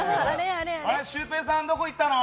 シュウペイさんどこ行ったの？